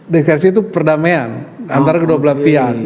diversi itu perdamaian antara kedua belah pihak